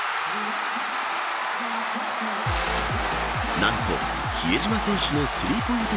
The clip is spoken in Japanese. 何と、比江島選手のスリーポイント